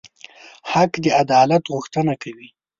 حق د عدالت غوښتنه کوي.